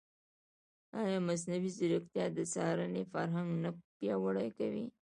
ایا مصنوعي ځیرکتیا د څارنې فرهنګ نه پیاوړی کوي؟